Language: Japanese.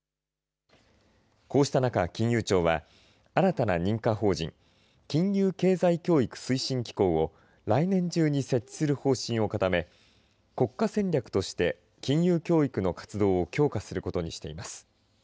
こうした中、金融庁は新たな認可法人金融経済教育推進機構を来年中に設置する方針を固め国家戦略として金融教育の活動を強化することにしています。